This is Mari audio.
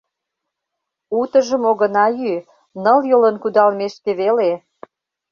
Утыжым огына йӱ, ныл йолын кудалмешке веле...